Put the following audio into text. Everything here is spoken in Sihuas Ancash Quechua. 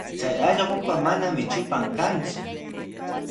Chay allqupa manami trupan kanku.